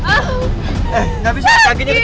eh gak bisa kakinya kecil kecil